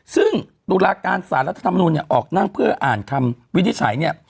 ซึ่งตุลาการสารรัฐธรรมนูลเนี่ยออกนั่งเพื่ออ่านคำวินิจฉัยเนี่ย